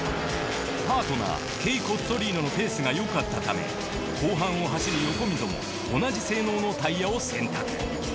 パートナーケイ・コッツォリーノのペースがよかったため後半を走る横溝も同じ性能のタイヤを選択。